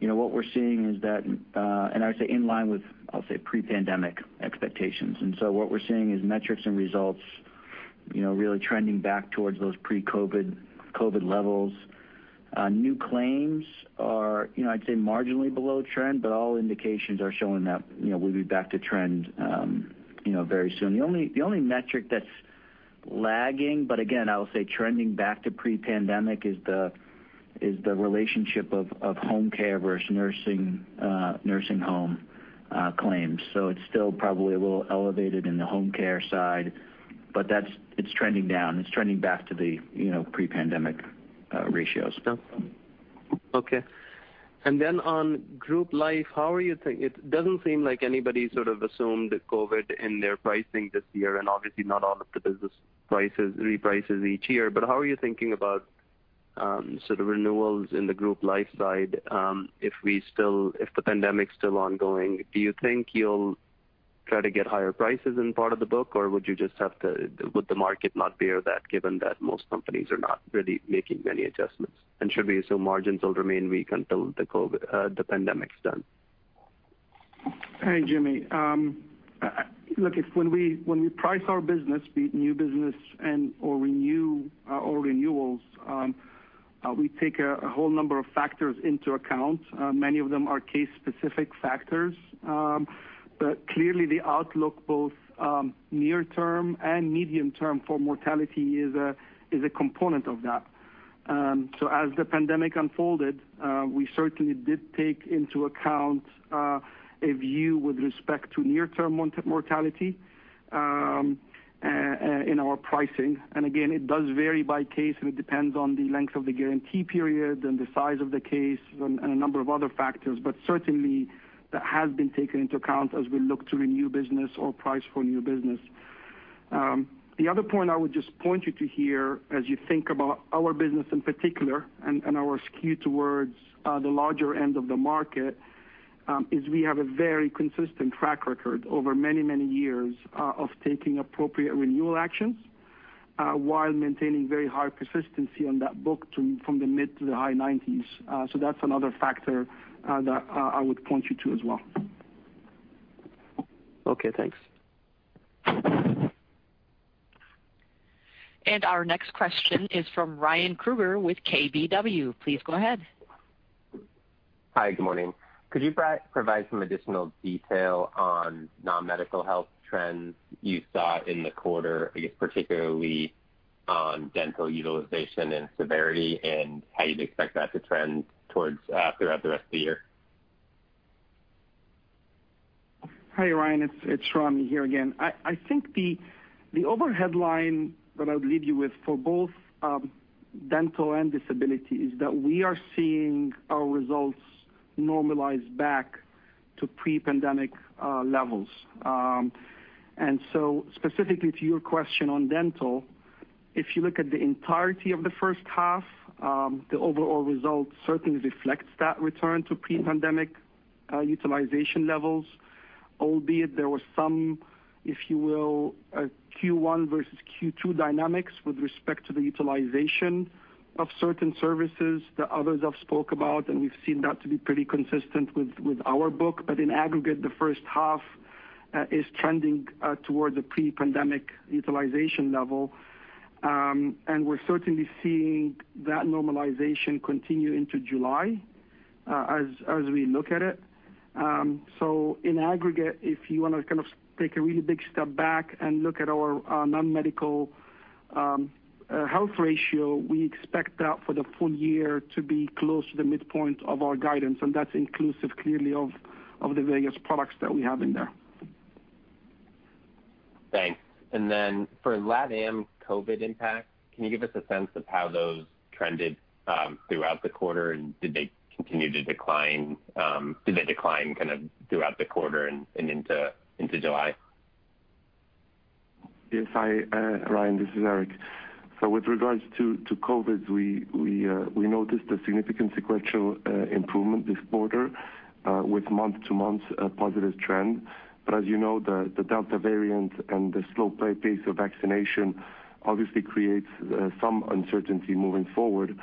What we're seeing is that, I would say in line with, I'll say pre-pandemic expectations. What we're seeing is metrics and results really trending back towards those pre-COVID levels. New claims are, I'd say, marginally below trend. All indications are showing that we'll be back to trend very soon. The only metric that's lagging, again, I would say trending back to pre-pandemic is the relationship of home care versus nursing home claims. It's still probably a little elevated in the home care side, but it's trending down. It's trending back to the pre-pandemic ratios. Okay. Then on Group Life, it doesn't seem like anybody sort of assumed COVID in their pricing this year, and obviously not all of the business reprices each year. How are you thinking about sort of renewals in the Group Life side? If the pandemic's still ongoing, do you think you'll try to get higher prices in one part of the book or would the market not bear that, given that most companies are not really making many adjustments? Should we assume margins will remain weak until the pandemic's done? Hey, Jimmy. Look, when we price our business, be it new business or renewals, we take a whole number of factors into account. Many of them are case specific factors. Clearly the outlook both near term and medium term for mortality is a component of that. As the pandemic unfolded, we certainly did take into account a view with respect to near term mortality in our pricing. Again, it does vary by case, and it depends on the length of the guarantee period and the size of the case and a number of other factors. Certainly, that has been taken into account as we look to renew business or price for new business. The other point I would just point you to here as you think about our business in particular and our skew towards the larger end of the market, is we have a very consistent track record over many, many years of taking appropriate renewal actions while maintaining very high persistency on that book from the mid to the high 90s. That's another factor that I would point you to as well. Okay, thanks. Our next question is from Ryan Krueger with KBW. Please go ahead. Hi, good morning. Could you provide some additional detail on non-medical health trends you saw in the quarter, I guess particularly on dental utilization and severity, and how you'd expect that to trend throughout the rest of the year? Hi, Ryan, it's Ramy here again. I think the overall headline that I would leave you with for both dental and disability is that we are seeing our results normalize back to pre-pandemic levels. Specifically to your question on dental, if you look at the entirety of the first half, the overall result certainly reflects that return to pre-pandemic utilization levels, albeit there was some, if you will, Q1 versus Q2 dynamics with respect to the utilization of certain services that others have spoke about, and we've seen that to be pretty consistent with our book. In aggregate, the first half is trending towards a pre-pandemic utilization level. We're certainly seeing that normalization continue into July as we look at it. In aggregate, if you want to kind of take a really big step back and look at our non-medical health ratio, we expect that for the full year to be close to the midpoint of our guidance, and that's inclusive clearly of the various products that we have in there. Thanks. Then for LatAm COVID impact, can you give us a sense of how those trended throughout the quarter? Did they decline kind of throughout the quarter and into July? Yes. Hi, Ryan, this is Eric. With regards to COVID, we noticed a significant sequential improvement this quarter with month-to-month positive trend. As you know, the Delta variant and the slow pace of vaccination obviously creates some uncertainty moving forward.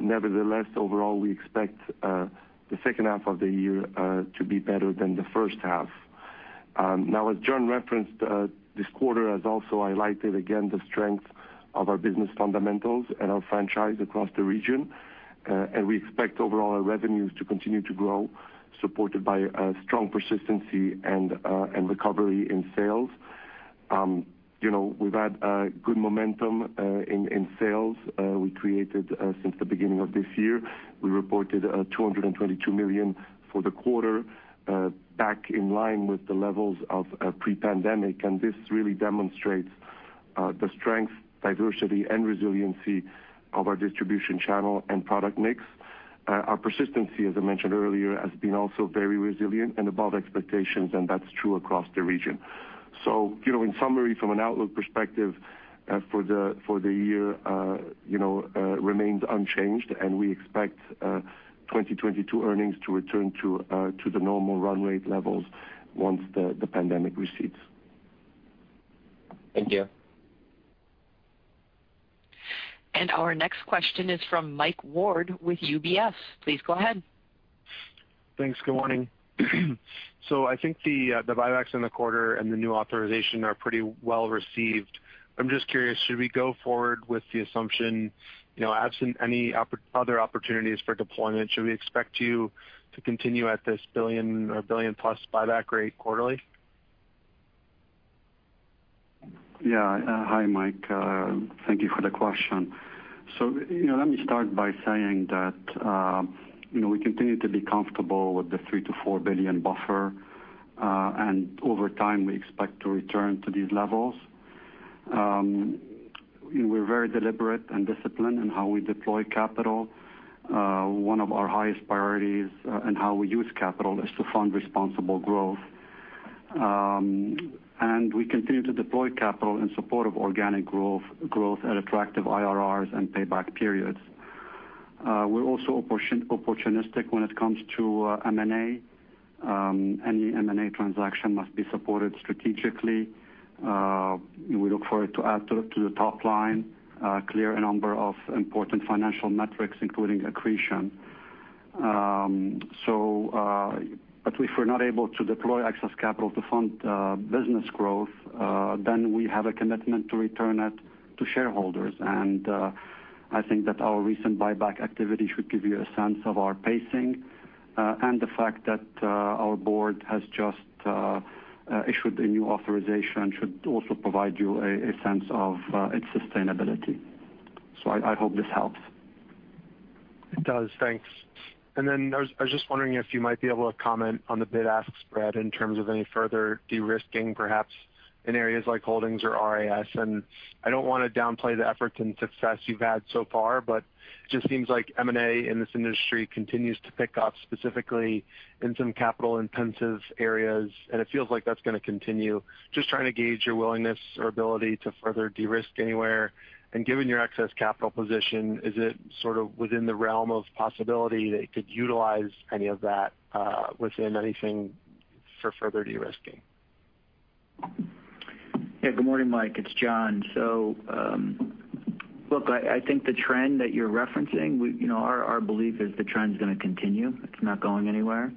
Nevertheless, overall, we expect the second half of the year to be better than the first half. As John referenced, this quarter has also highlighted again the strength of our business fundamentals and our franchise across the region. We expect overall our revenues to continue to grow, supported by a strong persistency and recovery in sales. We've had good momentum in sales we created since the beginning of this year. We reported $222 million for the quarter back in line with the levels of pre-pandemic. This really demonstrates the strength, diversity, and resiliency of our distribution channel and product mix. Our persistency, as I mentioned earlier, has been also very resilient and above expectations, and that's true across the region. In summary, from an outlook perspective for the year remains unchanged, and we expect 2022 earnings to return to the normal run rate levels once the pandemic recedes. Thank you. Our next question is from Mike Ward with UBS. Please go ahead. Thanks. Good morning. I think the buybacks in the quarter and the new authorization are pretty well-received. I'm just curious, should we go forward with the assumption, absent any other opportunities for deployment, should we expect you to continue at this $1 billion or +$1 billion buyback rate quarterly? Yeah. Hi, Mike. Thank you for the question. Let me start by saying that we continue to be comfortable with the $3 billion-$4 billion buffer. Over time, we expect to return to these levels. We're very deliberate and disciplined in how we deploy capital. One of our highest priorities in how we use capital is to fund responsible growth. We continue to deploy capital in support of organic growth at attractive IRRs and payback periods. We're also opportunistic when it comes to M&A. Any M&A transaction must be supported strategically. We look forward to add to the top line, clear a number of important financial metrics, including accretion. If we're not able to deploy excess capital to fund business growth, then we have a commitment to return it to shareholders. I think that our recent buyback activity should give you a sense of our pacing, and the fact that our board has just issued a new authorization should also provide you a sense of its sustainability. I hope this helps. It does. Thanks. I was just wondering if you might be able to comment on the bid-ask spread in terms of any further de-risking, perhaps in areas like holdings or RIS. I don't want to downplay the efforts and success you've had so far, but it just seems like M&A in this industry continues to pick up, specifically in some capital-intensive areas, and it feels like that's going to continue. Just trying to gauge your willingness or ability to further de-risk anywhere. Given your excess capital position, is it sort of within the realm of possibility that you could utilize any of that within anything for further de-risking? Yeah. Good morning, Mike. It's John. Look, I think the trend that you're referencing, our belief is the trend's going to continue. It's not going anywhere.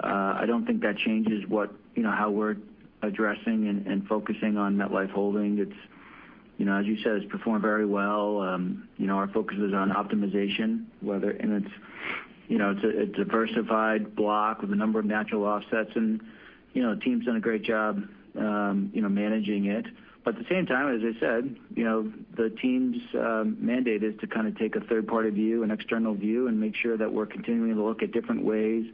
I don't think that changes how we're addressing and focusing on MetLife Holdings. As you said, it's performed very well. Our focus is on optimization, and it's a diversified block with a number of natural offsets, and the team's done a great job managing it. At the same time, as I said, the team's mandate is to kind of take a third-party view, an external view, and make sure that we're continuing to look at different ways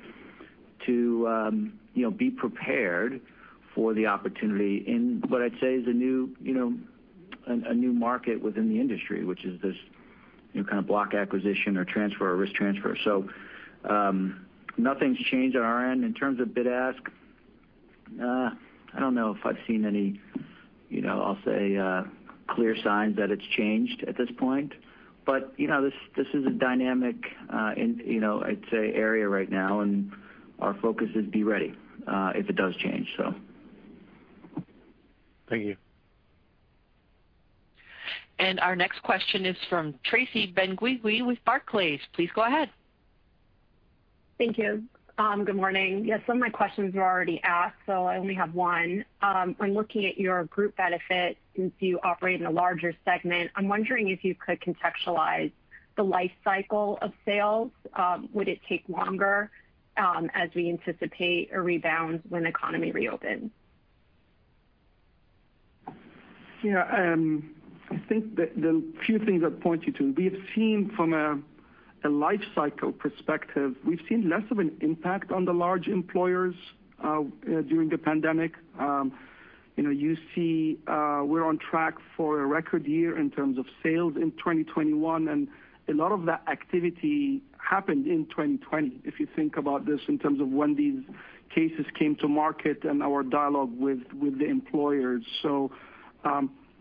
to be prepared for the opportunity in what I'd say is a new market within the industry, which is this kind of block acquisition or transfer or risk transfer. Nothing's changed on our end. In terms of bid-ask, I don't know if I've seen any, I'll say, clear signs that it's changed at this point. This is a dynamic, I'd say, area right now, and our focus is be ready if it does change. Thank you. Our next question is from Tracy Benguigui with Barclays. Please go ahead. Thank you. Good morning. Yeah, some of my questions were already asked, so I only have one. When looking at your group benefit, since you operate in a larger segment, I am wondering if you could contextualize the life cycle of sales. Would it take longer as we anticipate a rebound when the economy reopens? Yeah. I think that there are a few things I'd point you to. We have seen from a life cycle perspective, we've seen less of an impact on the large employers during the pandemic. You see we're on track for a record year in terms of sales in 2021, and a lot of that activity happened in 2020, if you think about this in terms of when these cases came to market and our dialogue with the employers.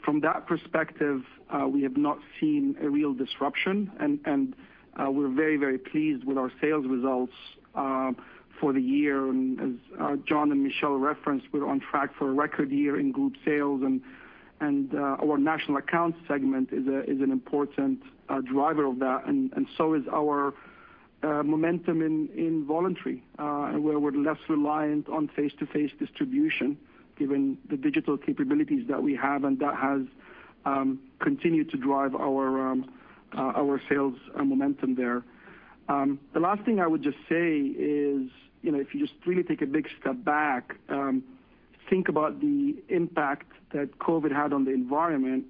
From that perspective, we have not seen a real disruption, and we're very pleased with our sales results for the year. As John and Michel referenced, we're on track for a record year in group sales, and our national accounts segment is an important driver of that, and so is our momentum in voluntary, where we're less reliant on face-to-face distribution given the digital capabilities that we have, and that has continued to drive our sales momentum there. The last thing I would just say is, if you just really take a big step back, think about the impact that COVID had on the environment.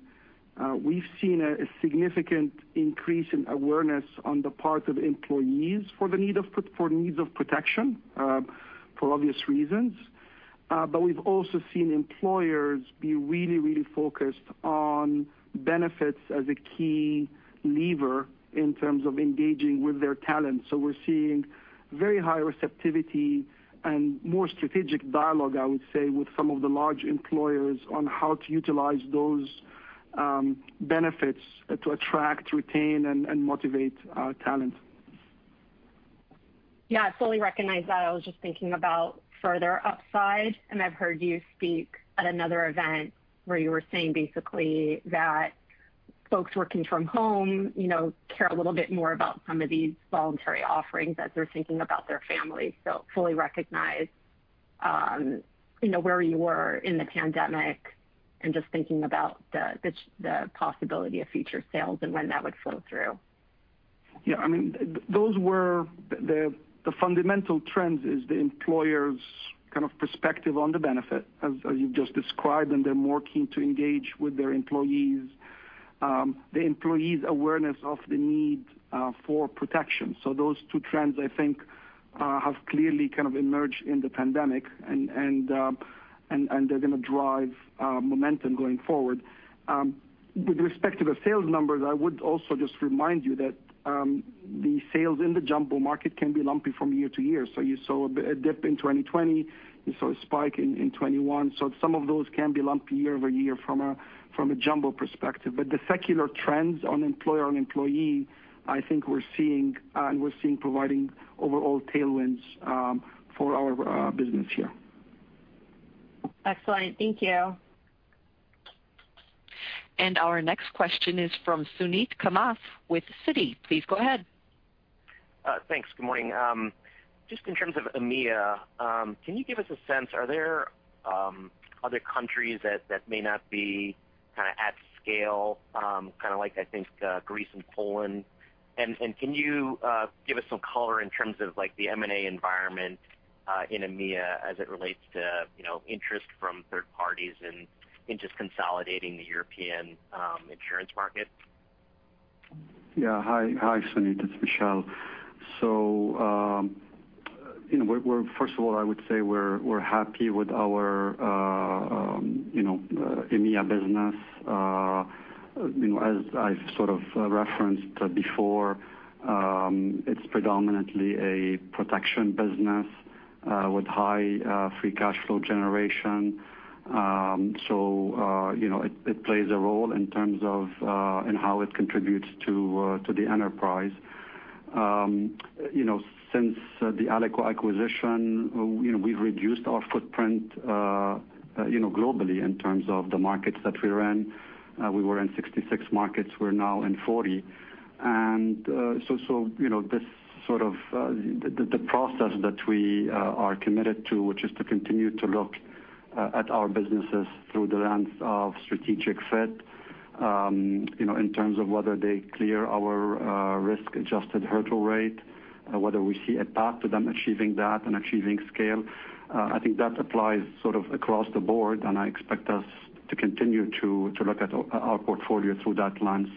We've seen a significant increase in awareness on the part of employees for needs of protection for obvious reasons. We've also seen employers be really focused on benefits as a key lever in terms of engaging with their talent. We're seeing very high receptivity and more strategic dialogue, I would say, with some of the large employers on how to utilize those benefits to attract, retain, and motivate talent. Yeah, I fully recognize that. I was just thinking about further upside, and I've heard you speak at another event where you were saying basically that folks working from home care a little bit more about some of these voluntary offerings as they're thinking about their family. Fully recognize where you were in the pandemic and just thinking about the possibility of future sales and when that would flow through. The fundamental trends is the employer's kind of perspective on the benefit, as you've just described, and they're more keen to engage with their employees. The employees' awareness of the need for protection. Those two trends, I think, have clearly kind of emerged in the pandemic and they're going to drive momentum going forward. With respect to the sales numbers, I would also just remind you that the sales in the jumbo market can be lumpy from year to year. You saw a dip in 2020, you saw a spike in 2021. Some of those can be lumpy year over year from a jumbo perspective. The secular trends on employer, on employee, I think we're seeing providing overall tailwinds for our business here. Excellent. Thank you. Our next question is from Suneet Kamath with Citi. Please go ahead. Thanks. Good morning. Just in terms of EMEA, can you give us a sense, are there other countries that may not be kind of at scale, kind of like, I think, Greece and Poland? Can you give us some color in terms of the M&A environment in EMEA as it relates to interest from third parties in just consolidating the European insurance market? Hi, Suneet. It's Michel. First of all, I would say we're happy with our EMEA business. As I've sort of referenced before, it's predominantly a protection business with high free cash flow generation. It plays a role in terms of in how it contributes to the enterprise. Since the ALICO acquisition, we've reduced our footprint globally in terms of the markets that we're in. We were in 66 markets, we're now in 40. The process that we are committed to, which is to continue to look at our businesses through the lens of strategic fit in terms of whether they clear our risk-adjusted hurdle rate, whether we see a path to them achieving that and achieving scale. I think that applies sort of across the board, and I expect us to continue to look at our portfolio through that lens.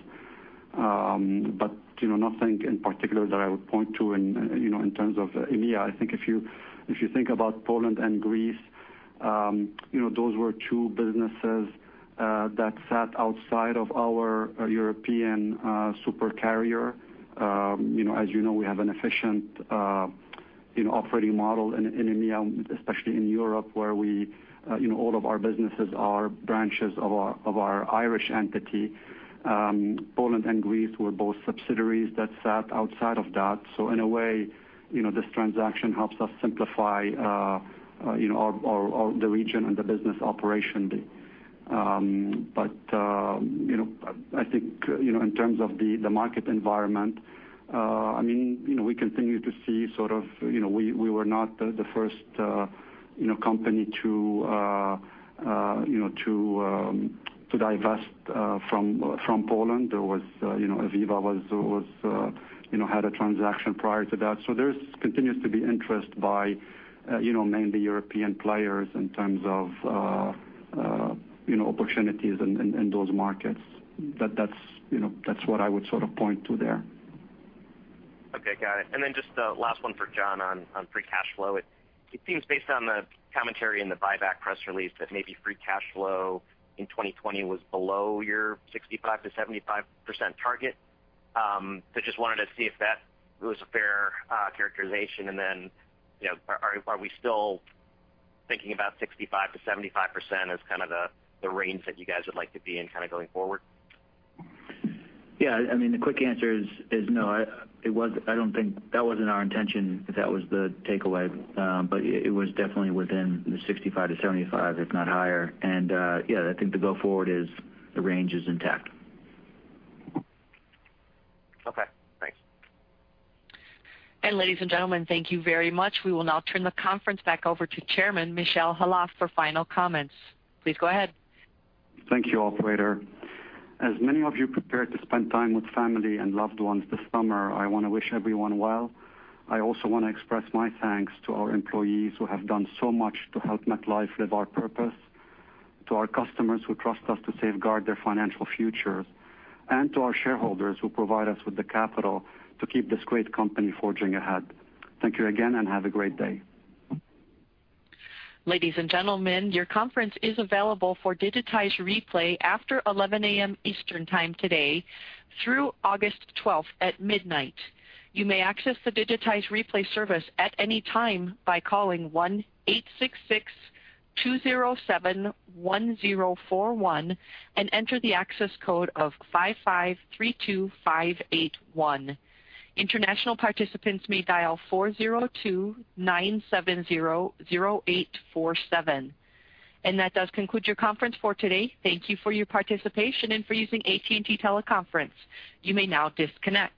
Nothing in particular that I would point to in terms of EMEA. I think if you think about Poland and Greece, those were two businesses that sat outside of our European super carrier. As you know, we have an efficient operating model in EMEA, especially in Europe, where all of our businesses are branches of our Irish entity. Poland and Greece were both subsidiaries that sat outside of that. In a way, this transaction helps us simplify the region and the business operation. I think in terms of the market environment, we continue to see sort of, we were not the first company to divest from Poland. Aviva had a transaction prior to that. There continues to be interest by mainly European players in terms of opportunities in those markets. That's what I would sort of point to there. Okay. Got it. Just the last one for John on free cash flow. It seems based on the commentary in the buyback press release that maybe free cash flow in 2020 was below your 65%-75% target. Just wanted to see if that was a fair characterization, are we still thinking about 65%-75% as kind of the range that you guys would like to be in kind of going forward? Yeah, the quick answer is no. That wasn't our intention if that was the takeaway, but it was definitely within the 65-75, if not higher. And yeah, I think the go forward is the range is intact. Okay, thanks. Ladies and gentlemen, thank you very much. We will now turn the conference back over to Chairman Michel Khalaf for final comments. Please go ahead. Thank you, operator. As many of you prepare to spend time with family and loved ones this summer, I want to wish everyone well. I also want to express my thanks to our employees who have done so much to help MetLife live our purpose, to our customers who trust us to safeguard their financial futures, and to our shareholders who provide us with the capital to keep this great company forging ahead. Thank you again, and have a great day. Ladies and gentlemen, your conference is available for digitized replay after 11:00A.M.Eastern Time today through August 12th at midnight. You may access the digitized replay service at any time by calling 1-866-207-1041 and enter the access code of 5532581. International participants may dial 402-970-0847. And that does conclude your conference for today. Thank you for your participation and for using AT&T Teleconference. You may now disconnect.